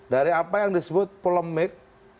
dari apa yang disebut polemik